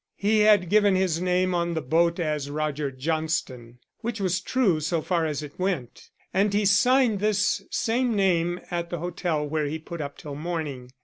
He had given his name on the boat as Roger Johnston, which was true so far as it went, and he signed this same name at the hotel where he put up till morning.